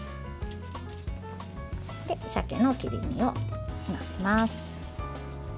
さけの切り身を載せます。